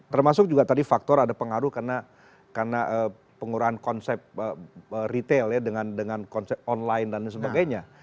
termasuk juga tadi faktor ada pengaruh karena pengurahan konsep retail ya dengan konsep online dan sebagainya